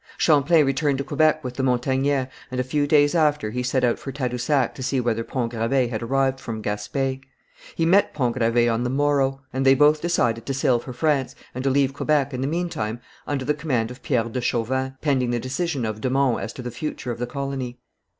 Champlain returned to Quebec with the Montagnais, and a few days after he set out for Tadousac to see whether Pont Gravé had arrived from Gaspé. He met Pont Gravé on the morrow, and they both decided to sail for France, and to leave Quebec in the meantime under the command of Pierre de Chauvin, pending the decision of de Monts as to the future of the colony.